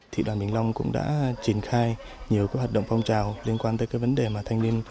thị đoàn bình long cũng đã triển khai nhiều hạt động phong trào liên quan tới vấn đề thanh niên